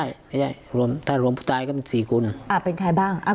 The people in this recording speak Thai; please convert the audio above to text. ใช่ไม่ใช่รวมถ้ารวมผู้ตายก็เป็นสี่คนอ่าเป็นใครบ้างอ่า